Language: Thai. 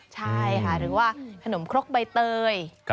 ใช่ค่ะหรือว่าขนมครกใบเตย